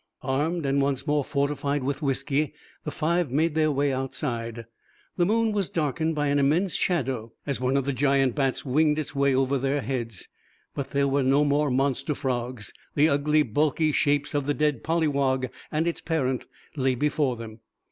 Armed, and once more fortified with whiskey, the five made their way outside. The moon was darkened by an immense shadow, as one of the giant bats winged its way over their heads. But there were no more monster frogs. The ugly, bulky shapes of the dead polywog and its parent lay before them.